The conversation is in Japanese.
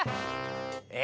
え？